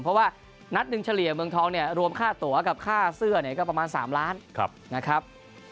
เพราะว่านัดหนึ่งเฉลี่ยเมืองทองเนี่ยรวมค่าตัวกับค่าเสื้อเนี่ยก็ประมาณ๓ล้านนะครับ